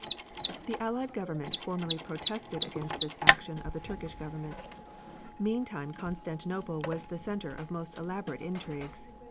The Allied governments formally protested against this action of the Turkish Government. Meantime Constantinople was the center of most elaborate intrigues.